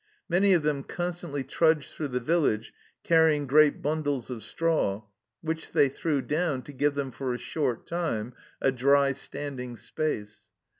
Many of them constantly trudged through the village carrying great bundles of straw, which they threw down to give them for a short time a dry standing space.